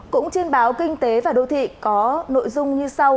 cũng trên báo kinh tế và đô thị có nội dung như sau